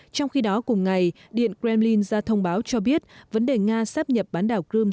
trong khi đó cùng ngày điện kremlin ra thông báo cho biết vấn đề nga sáp nhập bán đảo crimea